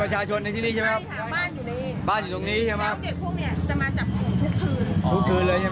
แล้ววันนี้เรากำลังรอดหรือไหม